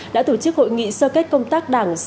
đã tổ chức hội nghị sơ kết công tác đảng